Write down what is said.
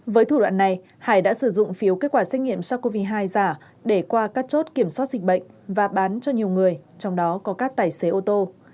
với thủ đoạn này hải đã sử dụng phiếu kết quả xét nghiệm sars cov hai giả để qua các chốt kiểm soát dịch bệnh và bán cho nhiều người trong đó có các tài xế ô tô